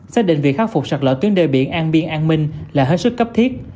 xác định việc khắc phục sạt lỡ tuyến đê biển an biên an minh là hết sức cấp thiết